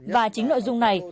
và chính nội dung này